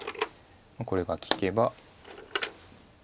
これが利けば。